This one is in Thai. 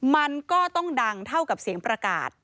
มันก็ต้องดังเท่ากับเสียงประกาศ